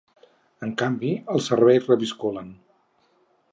En canvi, els serveis reviscolen.